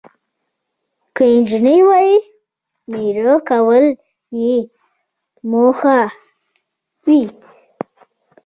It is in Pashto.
که انجلۍ وي، میړه کول یې موخه وي.